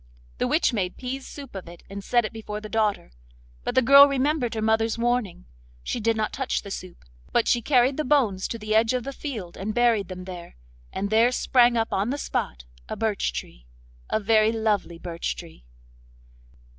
The witch made pease soup of it, and set it before the daughter. But the girl remembered her mother's warning. She did not touch the soup, but she carried the bones to the edge of the field and buried them there; and there sprang up on the spot a birch tree—a very lovely birch tree.